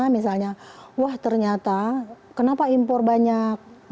misalnya wah ternyata kenapa impor banyak